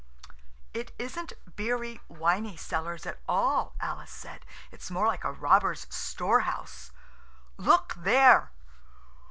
"It isn't beery, winey cellars at all," Alice said; "it's more like a robber's store house. Look there."